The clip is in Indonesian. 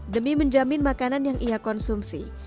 demi menjamin makanan yang ia konsumsi